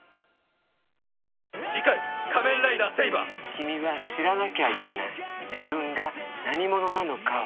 君は知らなきゃいけない自分が何者なのかを。